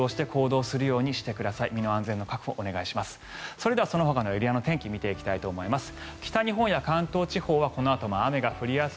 それではそのほかのエリアの天気見ていきたいと思います。